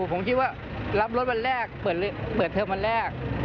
ผมคิดว่ารับรถแรกเปิดเนินวีตรมาแรก